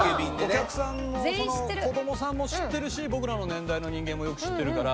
お客さんも子供さんも知ってるし僕らの年代の人間もよく知ってるから。